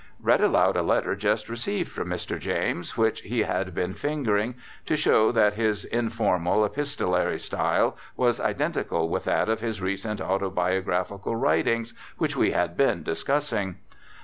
Read aloud a letter just received from Mr. James, which he had been fingering, to show that his informal, epistolary style was identical with that of his recent autobiographical writings, which we had been discussing.